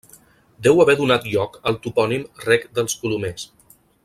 Deu haver donat lloc al topònim Rec dels Colomers.